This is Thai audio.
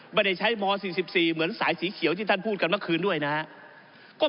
ไม่ได้ใช้ม๔๔เหมือนสายสีเขียวที่ท่านพูดกันเมื่อคืนด้วยนะครับ